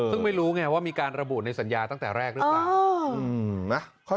ซึ่งไม่รู้ไงว่ามีการระบุในสัญญาตั้งแต่แรกหรือเปล่า